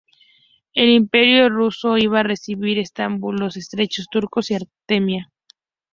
El Imperio ruso iba a recibir Estambul, los Estrechos Turcos y Armenia.